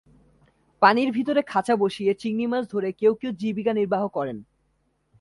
পানির ভিতরে খাঁচা বসিয়ে চিংড়ি মাছ ধরে কেউ কেউ জীবিকা নির্বাহ করেন।